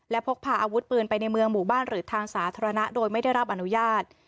และพกพาอาวุธปืนไปในเมืองหมู่บ้านหรือทางสาธารณะโดยไม่ได้รับอนุญาต